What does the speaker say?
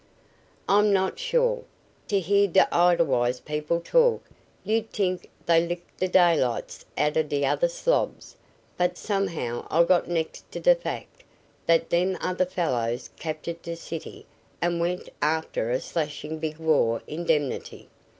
"I'm not sure. To hear d' Edelweiss people talk you'd t'ink dey licked d' daylights out of d' other slobs, but somehow I got next to d' fact dat dem other fellows captured de city an' went after a slashin' big war indemnity.